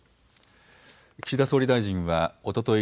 岸田総理大臣はおととい